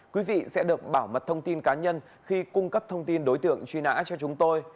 quý vị sẽ được bảo mật thông tin cá nhân khi cung cấp thông tin đối tượng truy nã cho chúng tôi